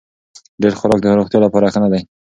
ډېر خوراک د روغتیا لپاره ښه نه دی.